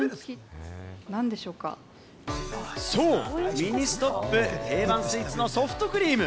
ミニストップ定番スイーツのソフトクリーム。